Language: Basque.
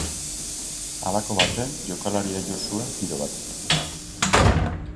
Halako baten jokalaria jo zuen tiro batek.